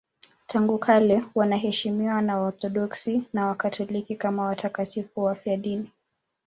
Tangu kale wanaheshimiwa na Waorthodoksi na Wakatoliki kama watakatifu wafiadini.